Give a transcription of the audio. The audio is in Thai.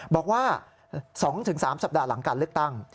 บอกว่า๒๓สัปดาห์หลังการเลือกตั้ง